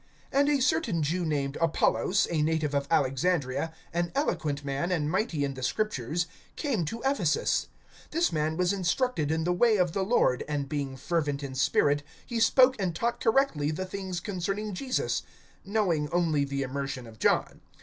(24)And a certain Jew named Apollos, a native of Alexandria, an eloquent man, and mighty in the Scriptures, came to Ephesus. (25)This man was instructed in the way of the Lord and being fervent in spirit, he spoke and taught correctly the things concerning Jesus, knowing only the immersion of John.